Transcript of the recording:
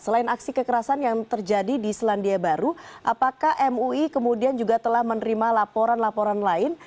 selain aksi kekerasan yang terjadi di selandia baru apakah mui kemudian juga telah menerima laporan laporan lain